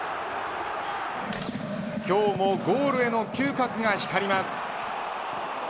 今日もゴールへの嗅覚が光ります。